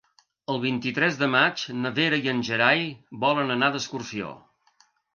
El vint-i-tres de maig na Vera i en Gerai volen anar d'excursió.